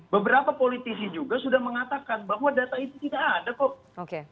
beberapa politisi juga sudah mengatakan bahwa data itu tidak ada kok